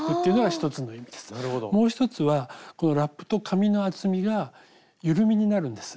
もう１つはこのラップと紙の厚みが緩みになるんです。